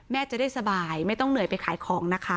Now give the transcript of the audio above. จะได้สบายไม่ต้องเหนื่อยไปขายของนะคะ